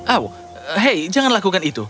oh hei jangan lakukan itu